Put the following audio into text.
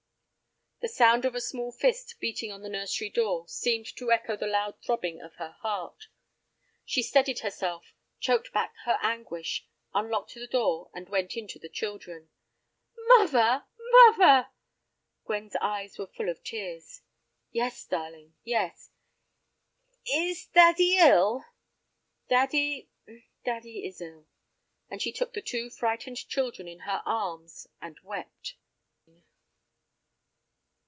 The sound of a small fist beating on the nursery door seemed to echo the loud throbbing of her heart. She steadied herself, choked back her anguish, unlocked the door, and went in to her children. "Muvver, muvver!" Gwen's eyes were full of tears. "Yes, darling, yes." "Is daddy ill?" "Daddy—daddy is ill," and she took the two frightened children in her arms, and wept.